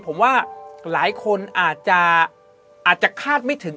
ผมว่าหลายคนอาจจะอาจจะคาดไม่ถึง